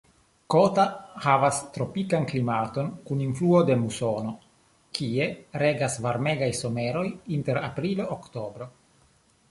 Kota havas tropikan klimaton kun influo de musono, kie regas varmegaj someroj inter aprilo-oktobro.